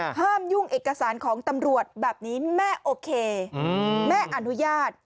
ยุ่งเอกสารของตำรวจแบบนี้แม่โอเคแม่อนุญาต